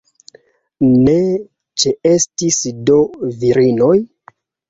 Ne ĉeestis do virinoj?